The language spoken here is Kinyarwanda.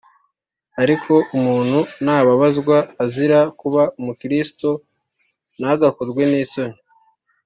Ariko umuntu nababazwa, azira kuba umukristo, ntagakorwe n'isoni